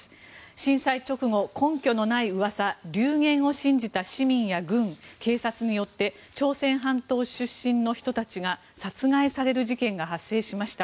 震災直後、根拠のないうわさ流言を信じた市民や軍警察によって朝鮮半島出身の人たちが殺害される事件が発生しました。